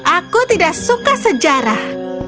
aku tidak suka sejarah